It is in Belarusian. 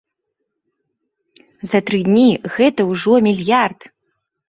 За тры дні гэта ўжо мільярд!